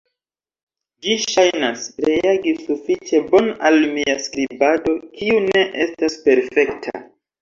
Ĝi ŝajnas reagi sufiĉe bone al mia skribado, kiu ne estas perfekta.